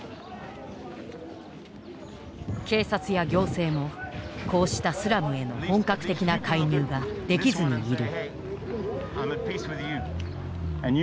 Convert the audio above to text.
警察や行政もこうしたスラムへの本格的な介入ができずにいる。